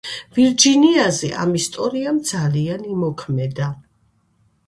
ვირჯინიაზე, ამ ისტორიამ ძალიან იმოქმედა.